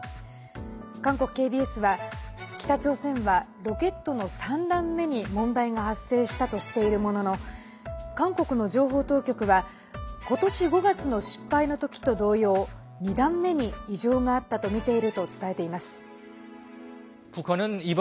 韓国ＫＢＳは北朝鮮はロケットの３段目に問題が発生したとしているものの韓国の情報当局は今年５月の失敗の時と同様２段目に異常があったとみていると伝えています。